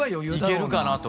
いけるかなと。